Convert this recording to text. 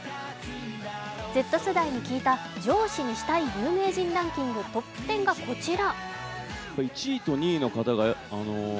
Ｚ世代に聞いた、上司にしたい有名人ランキングが、こちら。